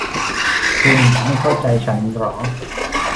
คุณไม่เข้าใจฉันหรอ